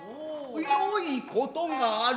よいことがある。